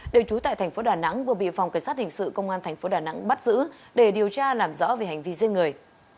đều trú tại thành phố đà nẵng vừa bị phòng cảnh sát hình sự công an tp đà nẵng bắt giữ để điều tra làm rõ về hành vi giết người